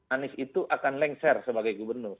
anies itu akan lengser sebagai gubernur